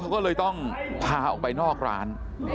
เขาก็เลยต้องพาออกไปนอกร้าน